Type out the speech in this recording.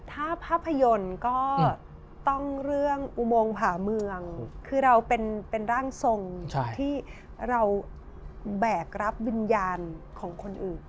ถ้าภาพยนตร์ก็ต้องเรื่องอุโมงผ่าเมืองคือเราเป็นร่างทรงที่เราแบกรับวิญญาณของคนอื่น